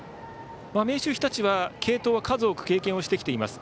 明秀日立は継投は数多く経験をしてきています。